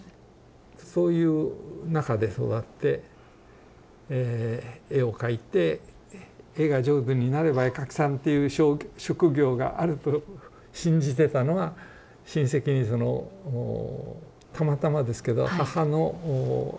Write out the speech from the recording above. そういう中で育って絵を描いて絵が上手になれば絵描きさんという職業があると信じてたのは親戚にそのたまたまですけど母のおばあちゃんですね